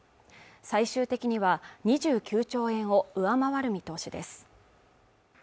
最終的には２９兆円を上回る見通しです